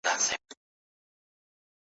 زما خواږه خواږه عطرونه ولي نه حسوې جانه؟